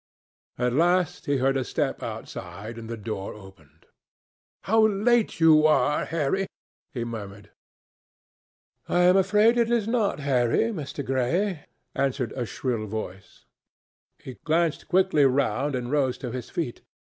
At last he heard a step outside, and the door opened. "How late you are, Harry!" he murmured. "I am afraid it is not Harry, Mr. Gray," answered a shrill voice. He glanced quickly round and rose to his feet.